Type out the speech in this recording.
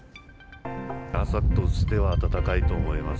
朝としては暖かいと思います。